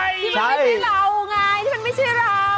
ที่มันไม่ใช่เราไงที่มันไม่ใช่เรา